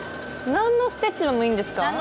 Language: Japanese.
何のステッチでもいいんですか？